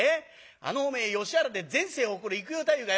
あのおめえ吉原で全盛を誇る幾代太夫がよ